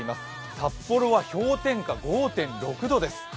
札幌は氷点下５．６度です。